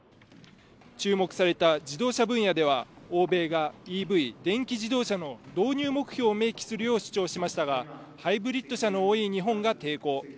注目された自動車分野では、欧米がＥＶ＝電気自動車の導入目標を明記するよう主張しましたが、ハイブリッド車の多い日本が抵抗。